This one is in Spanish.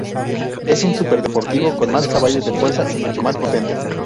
Es un superdeportivo con más caballos de fuerza y mucho más potente.